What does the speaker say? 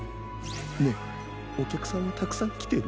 ねえおきゃくさんはたくさんきてる？